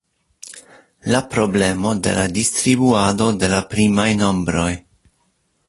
La problemo de la distribuado de la primaj nombroj.